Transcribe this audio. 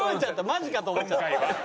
マジかと思っちゃった。